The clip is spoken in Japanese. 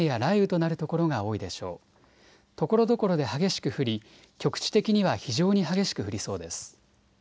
ところどころで激しく降り局地的には非常に激しく降りそうです。